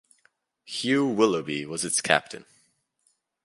Hugh Willoughby was its captain.